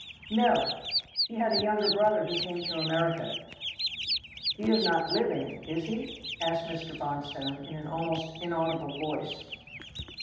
"No, he had a younger brother who came to America." "He is not living, is he?" asked Mr. Bonstone in an almost inaudible voice.